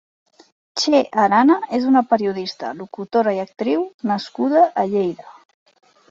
Txe Arana és una periodista, locutora i actriu nascuda a Lleida.